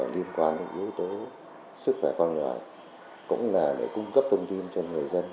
liên quan đến yếu tố sức khỏe con người cũng là để cung cấp thông tin cho người dân